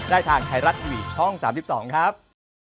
ได้ทางไทยรัตน์ทวีดีโอช่อง๓๒ครับ